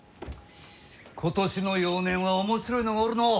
今年の幼年は面白いのがおるのう。